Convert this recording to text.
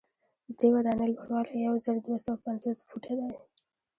ددې ودانۍ لوړوالی یو زر دوه سوه پنځوس فوټه دی.